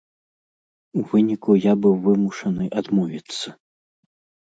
У выніку я быў вымушаны адмовіцца.